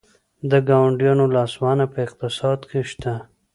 د ګاونډیانو لاسوهنه په اقتصاد کې شته؟